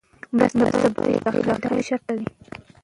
مرسته باید بې له قید او شرطه وي.